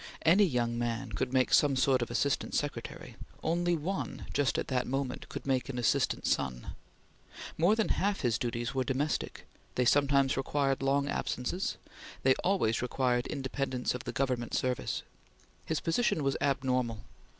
Any young man could make some sort of Assistant Secretary; only one, just at that moment, could make an Assistant Son. More than half his duties were domestic; they sometimes required long absences; they always required independence of the Government service. His position was abnormal.